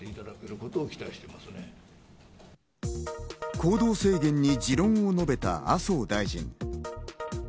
行動制限に持論を述べた麻生大臣。